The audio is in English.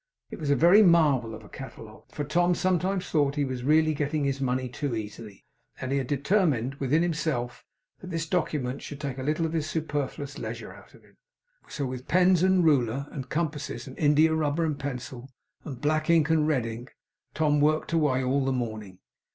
It was a very marvel of a catalogue; for Tom sometimes thought he was really getting his money too easily, and he had determined within himself that this document should take a little of his superfluous leisure out of him. So with pens and ruler, and compasses and india rubber, and pencil, and black ink, and red ink, Tom worked away all the morning.